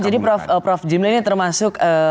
jadi prof jimli ini termasuk